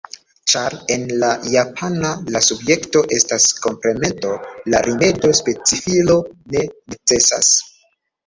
Ĉar, en la japana, la subjekto estas komplemento, la rimedo specifilo ne necesas.